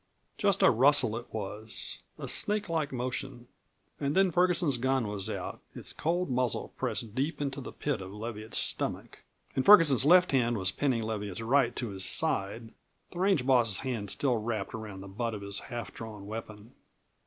Just a rustle it was a snake like motion. And then Ferguson's gun was out; its cold muzzle pressed deep into the pit of Leviatt's stomach, and Ferguson's left hand was pinning Leviatt's right to his side, the range boss's hand still wrapped around the butt of his half drawn weapon.